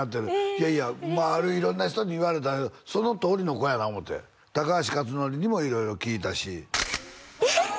いやいや周りの色んな人に言われたんやけどそのとおりの子やな思って高橋克典にも色々聞いたしえっ！？